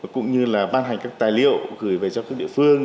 cũng như là ban hành các tài liệu gửi về cho các địa phương